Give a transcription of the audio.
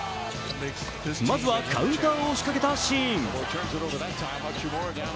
まずはカウンターを仕掛けたシーン。